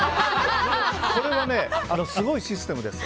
これはね、すごいシステムです。